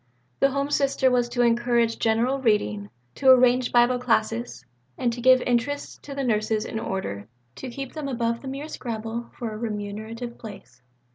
The Home Sister was to encourage general reading, to arrange Bible classes, to give interests to the nurses in order "to keep them above the mere scramble for a remunerative place."